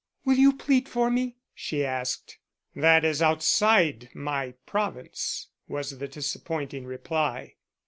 "Will you plead for me?" she asked. "That is outside my province," was the disappointing reply.